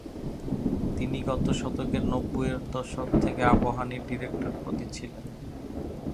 তিনি গত শতকের নব্বই এর দশক থেকে আবাহনীর ডিরেক্টর পদে ছিলেন।